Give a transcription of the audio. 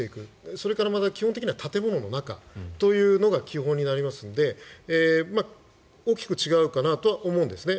それからまた建物の中が基本になりますので大きく違うかなとは思うんですね。